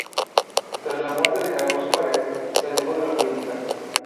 Tras la muerte de Carlos Juárez, se alejó de la política.